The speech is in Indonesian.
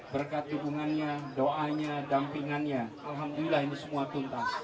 berkat dukungannya doanya dampingannya alhamdulillah ini semua tuntas